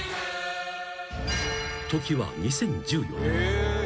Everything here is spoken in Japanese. ［時は２０１４年］